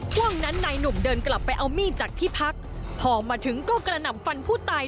ช่วงนั้นนายหนุ่มเดินกลับไปเอามีดจากที่พักพอมาถึงก็กระหน่ำฟันผู้ตาย